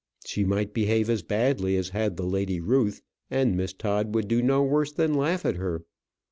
She might behave as badly as had the Lady Ruth, and Miss Todd would do no worse than laugh at her.